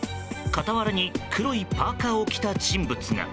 傍らに黒いパーカを着た人物が。